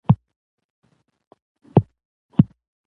پابندي غرونه د افغان کلتور او تاریخ سره ژور تړاو لري.